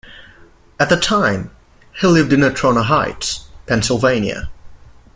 At the time, he lived in Natrona Heights, Pennsylvania.